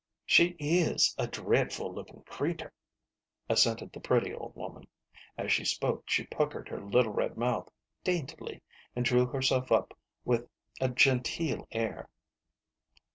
" She is a dretful lookin' cretur," assented the pretty old woman. As she spoke she puckered her little red mouth daintily, and drew herself up with a genteel air.